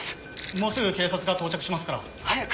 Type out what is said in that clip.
・もうすぐ警察が到着しますから・早く！